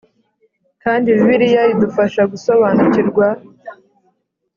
kandi bibiliya idufasha gusobanukirwa